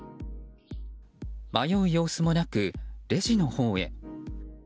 迷う様子もなく、レジのほうへ。